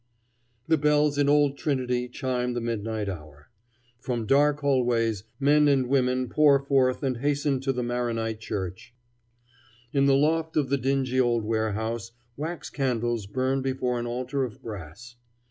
The bells in old Trinity chime the midnight hour. From dark hallways men and women pour forth and hasten to the Maronite church. In the loft of the dingy old warehouse wax candles burn before an altar of brass.